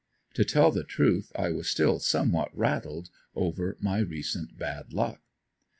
To tell the truth I was still somewhat rattled over my recent bad luck.